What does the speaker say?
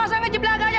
asal ngejeblak aja